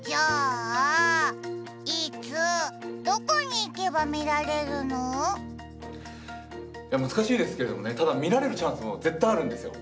じゃあ、いつ、どこに行けば見られ難しいですけれども、見られるチャンスも絶対あるんですよ。